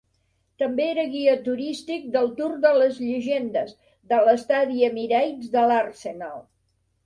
També era guia turístic del "Tour de les Llegendes" de l'estadi Emirates de l'Arsenal.